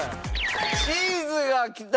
チーズが来た！